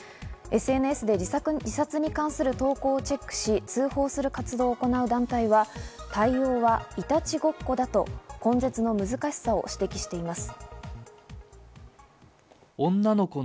ＳＮＳで自殺に関する投稿をチェックし、通報する活動を行う団体は、対応はいたちごっこだと根絶の難しさを指摘しています。